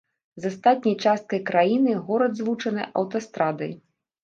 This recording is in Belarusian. З астатняй часткай краіны горад злучаны аўтастрадай.